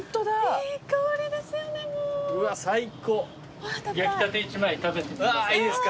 いいすか？